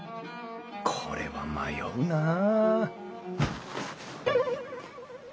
これは迷うなあ